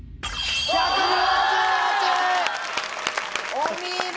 お見事！